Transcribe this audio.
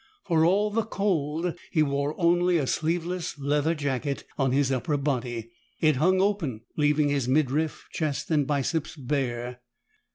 For all the cold, he wore only a sleeveless leather jacket on his upper body. It hung open, leaving his midriff, chest and biceps bare.